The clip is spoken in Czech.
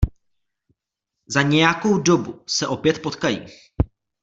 Za nějakou dobu se opět potkají...